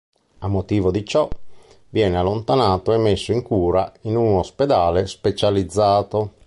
A motivo di ciò, viene allontanato e messo in cura in un ospedale specializzato.